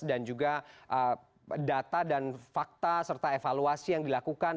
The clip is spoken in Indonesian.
dan juga data dan fakta serta evaluasi yang dilakukan